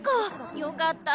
よかった。